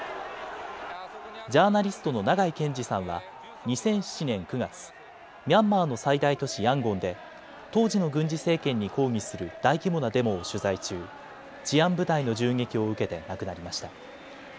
ジャーナリストの長井健司さんは２００７年９月、ミャンマーの最大都市ヤンゴンで当時の軍事政権に抗議する大規模なデモを取材中、治安部隊の銃撃を受けて亡くなりました。